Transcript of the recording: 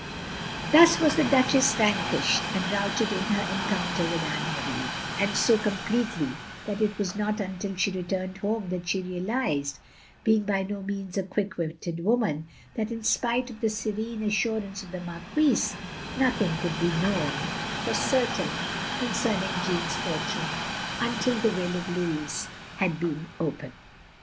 " Thus was the Duchess vanquished and routed in her encounter with Anne Marie; and so com pletely that it was not tmtil she returned home that she realised, being by no means a quick witted woman, that in spite of the serene assurance of the Marqtdse, nothing could be known for 24 370 THE LONELY LADY certain, concerning Jeanne's fortune, until the will of Louis had been opened.